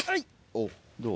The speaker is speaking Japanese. おっどう？